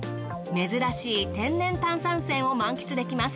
珍しい天然炭酸泉を満喫できます。